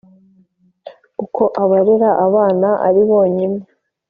Uko abarera abana ari bonyine